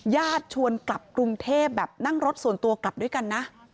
ชวนกลับกรุงเทพแบบนั่งรถส่วนตัวกลับด้วยกันนะ